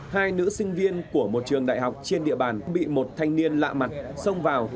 hai nữ sinh viên của một trường đại học trên địa bàn bị một thanh niên lạ mặt xông vào